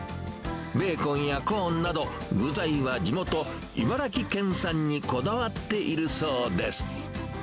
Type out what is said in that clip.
ベーコンやコーンなど、具材は地元、茨城県産にこだわっているそうです。